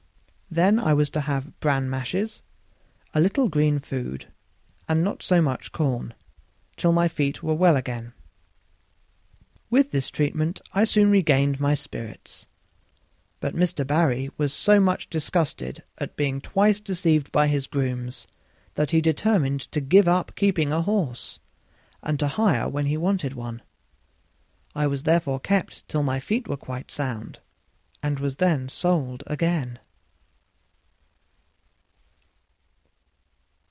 Then I was to have bran mashes, a little green food, and not so much corn, till my feet were well again. With this treatment I soon regained my spirits; but Mr. Barry was so much disgusted at being twice deceived by his grooms that he determined to give up keeping a horse, and to hire when he wanted one. I was therefore kept till my feet were quite sound, and was then sold again.